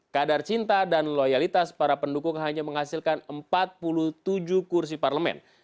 kadar cinta dan loyalitas para pendukung hanya menghasilkan empat puluh tujuh kursi parlemen